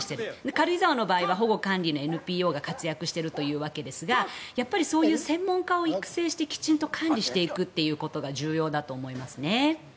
軽井沢の場合は保護管理のＮＰＯが活躍しているということですがやっぱりそういう専門家を育成してきっちり管理していくということが重要だと思いますね。